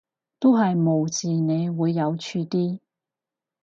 都係無視你會有趣啲